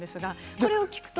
これを聞くと